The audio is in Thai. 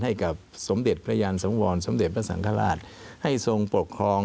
ให้กับสมเด็จพระยันสังวรสมเด็จพระสังฆราชให้ทรงปกครอง